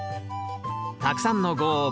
たくさんのご応募